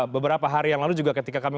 beberapa hari yang lalu juga ketika kami